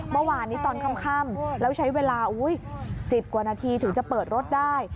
เมื่อวานนี้ตอนค่ำแล้วใช้เวลา๑๐กว่านาทีถึงจะเปิดรถได้